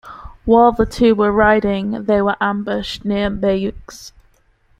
While the two were riding, they were ambushed near Bayeux.